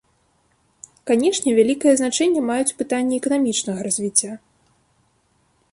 Канешне, вялікае значэнне маюць пытанні эканамічнага развіцця.